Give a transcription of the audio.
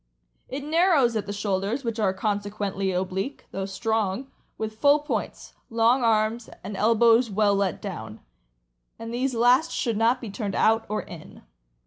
It narrows at the shoulders, which are consequently oblique, though strong, with full points, long arms, and elbows well let down, and these last should not be turned out or in.